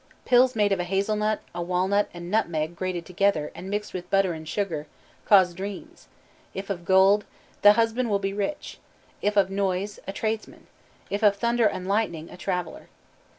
Pills made of a hazelnut, a walnut, and nutmeg grated together and mixed with butter and sugar cause dreams: if of gold, the husband will be rich; if of noise, a tradesman; if of thunder and lightning, a traveler.